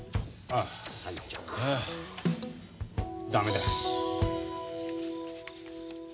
あダメだ。